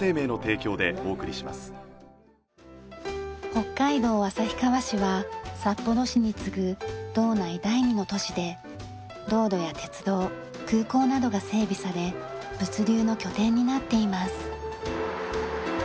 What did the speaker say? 北海道旭川市は札幌市に次ぐ道内第２の都市で道路や鉄道空港などが整備され物流の拠点になっています。